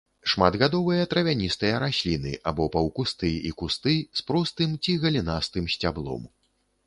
Шматгадовыя травяністыя расліны або паўкусты і кусты з простым ці галінастым сцяблом.